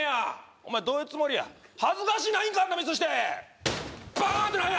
お前どういうつもりや恥ずかしないんかあんなミスしてバーンッてなんや！